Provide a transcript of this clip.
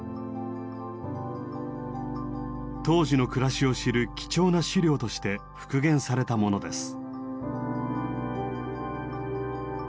当時の暮らしを知る貴重な資料として復元されたものです。